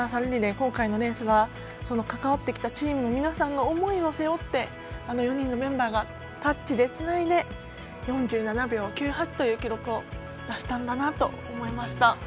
今回のレースは関わってきたチームの皆さんの思いを背負ってあの４人のメンバーがタッチでつないで４７秒９８という記録を出したんだなと思いました。